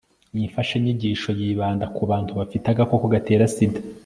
iyi mfashanyigisho yibanda ku bantu bafite agakoko gatera sida